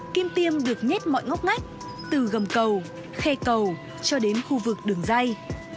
kim tiêm được nhét mọi ngóc ngách từ gầm cầu khe cầu cho đến khu vực đường dây